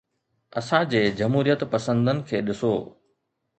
اسان جي جمهوريت پسندن کي ڏسو.